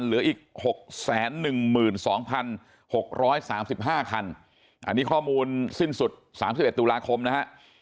เหลืออีก๖๑๒๖๓๕คันอันนี้ข้อมูลสิ้นสุด๓๑ตุลาคมนะฮะ